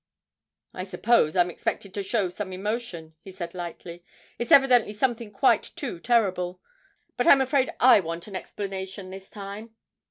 'I suppose I'm expected to show some emotion,' he said lightly; 'it's evidently something quite too terrible. But I'm afraid I want an explanation this time.'